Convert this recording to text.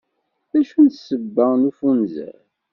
D acu i d ssebba n ufunzer?